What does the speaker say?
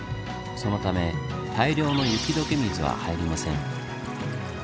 そのため大量の雪どけ水は入りません。